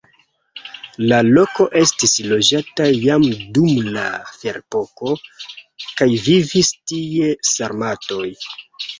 La loko estis loĝata jam dum la ferepoko kaj vivis tie sarmatoj.